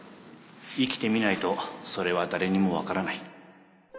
生きてみないとそれは誰にも分からない